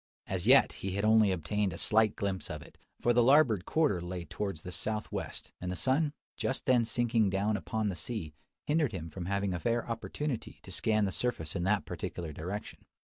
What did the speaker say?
As yet, he had only obtained a slight glimpse of it: for the larboard quarter lay towards the south west, and the sun, just then sinking down upon the sea, hindered him from having a fair opportunity to scan the surface in that particular direction.